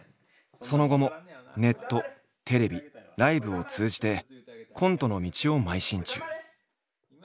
その後もネットテレビライブを通じてコントの道を邁進中。